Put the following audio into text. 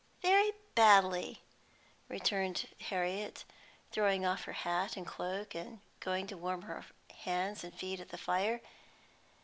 "Very badly," returned Harriet, throwing off her hat and cloak, and going to warm her hands and feet at the fire.